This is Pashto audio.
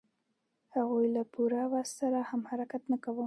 هغوی له پوره وس سره هم حرکت نه کاوه.